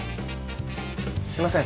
すいません。